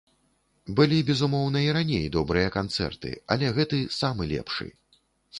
Былі, безумоўна, і раней добрыя канцэрты, але гэты самы лепшы.